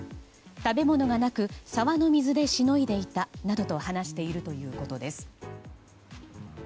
食べ物がなく沢の水でしのいでいたなどと話しているということです。